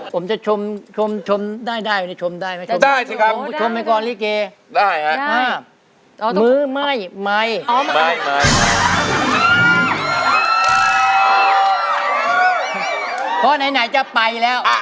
ผมจะชมชมได้ชมได้